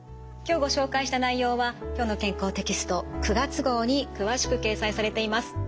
今日ご紹介した内容は「きょうの健康」テキスト９月号に詳しく掲載されています。